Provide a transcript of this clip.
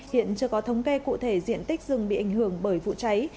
hiện chưa có thống kê cụ thể diện tích rừng bị ảnh hưởng bởi vụ cháy